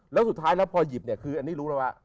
แล้วสุดท้ายแล้วพอหยิบเนี่ยคืออันนี้รู้แล้วว่า